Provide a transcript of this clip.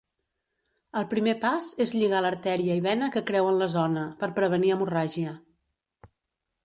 El primer pas és lligar l'artèria i vena que creuen la zona, per prevenir hemorràgia.